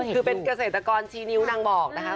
คือเป็นเกษตรกรชี้นิ้วนางบอกนะคะ